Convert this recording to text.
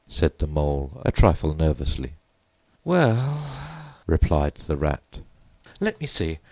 said the Mole, a trifle nervously. "W e ll," replied the Rat, "let me see.